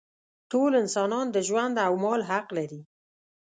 ټول انسانان د ژوند او مال حق لري.